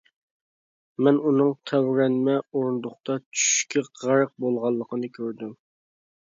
مەن ئۇنىڭ تەۋرەنمە ئورۇندۇقتا چۈشكە غەرق بولغانلىقىنى كۆردۈم.